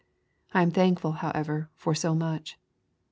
I am thankful, however, for so much.